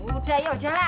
udah yuk jalan